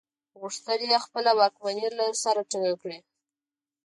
غوښتل یې خپله واکمني له سره ټینګه کړي.